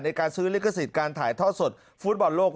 ในการซื้อลิขสิทธิ์การถ่ายทอดสดฟุตบอลโลก